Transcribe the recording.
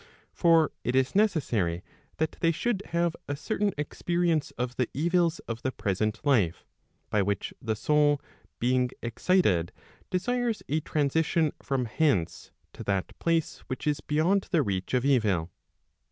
For it is necessary that they should have a certain experience of the evils of the present life, by which the soul being excited, desires a transition from hence to that place which is beyond the reach of evil.